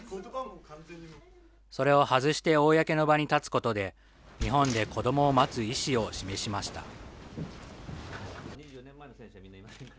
それを外して公の場に立つことで、日本で子どもを待つ意思を示しました。